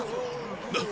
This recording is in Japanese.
なっ